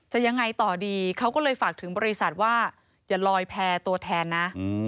ยังไงต่อดีเขาก็เลยฝากถึงบริษัทว่าอย่าลอยแพร่ตัวแทนนะ